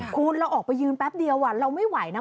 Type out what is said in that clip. คุณเราออกไปยืนแป๊บเดียวเราไม่ไหวนะ